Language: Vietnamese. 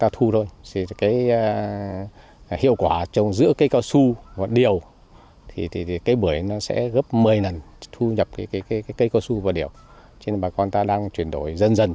thì trong bưởi á